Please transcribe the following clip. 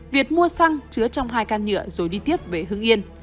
việt mua xăng chứa trong hai can nhựa rồi đi tiếp về hưng yên